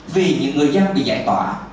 vì những người dân bị giải tỏa